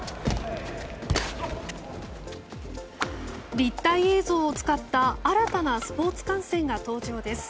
立体映像を使った新たなスポーツ観戦が登場です。